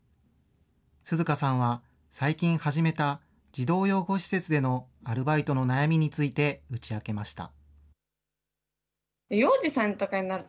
涼花さんは最近始めた児童養護施設でのアルバイトの悩みについて打ち明けました。